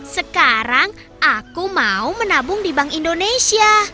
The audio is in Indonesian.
sekarang aku mau menabung di bank indonesia